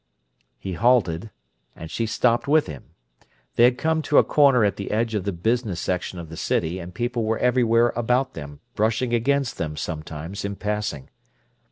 He halted; and she stopped with him. They had come to a corner at the edge of the "business section" of the city, and people were everywhere about them, brushing against them, sometimes, in passing.